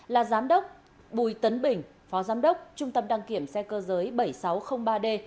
là giám đốc bùi tấn bình phó giám đốc trung tâm đăng kiểm xe cơ giới bảy nghìn sáu trăm linh ba d